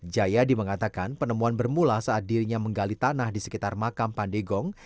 jayadi mengatakan penemuan bermula saat dirinya menggali tanah di sekitar makam pandegong